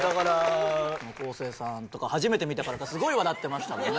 昴生さんとか初めて見たからかすごい笑ってましたもんね